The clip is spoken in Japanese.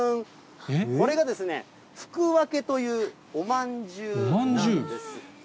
これが福わけというおまんじゅうなんです。